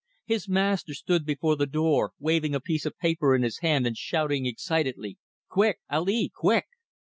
His master stood before the door waving a piece of paper in his hand and shouting excitedly "Quick, Ali! Quick!"